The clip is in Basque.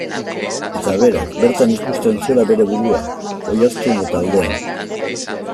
Eta berak, bertan ikusten zuela bere burua, Oiartzungo taldean.